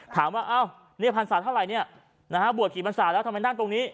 ถามว่าเนี่ยพรรษาเท่าไรเนี่ยบวชกี่พรรษาแล้วทำไมนั่งตรงนี้